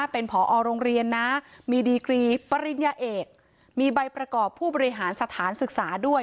เป็นผอโรงเรียนนะมีดีกรีปริญญาเอกมีใบประกอบผู้บริหารสถานศึกษาด้วย